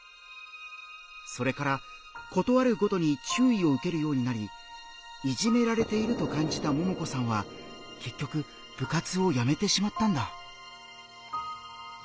それから事あるごとに注意を受けるようになりいじめられていると感じたももこさんは結局部活をやめてしまったんだ。